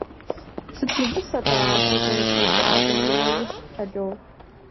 Сыт узыфэ-тӀэ ахэр зэрылӀыкӀар, – емынэ уз, тало?